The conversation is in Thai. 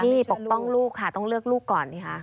นี่ปกป้องลูกค่ะต้องเลือกลูกก่อนสิคะ